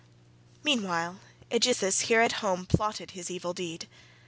Meanwhile Aegisthus here at home plotted his evil deed.